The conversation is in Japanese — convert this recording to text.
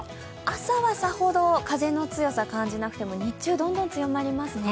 朝はさほど風の強さ感じなくても日中どんどん強まりますね。